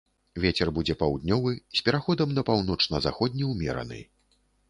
Вецер будзе паўднёвы з пераходам на паўночна-заходні ўмераны.